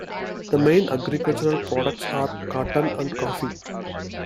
The main agricultural products are cotton and coffee.